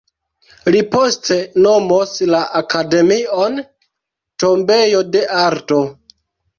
Li poste nomos la akademion "tombejo de arto.